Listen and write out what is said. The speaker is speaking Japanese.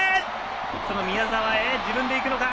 その宮澤へ、自分で行くのか。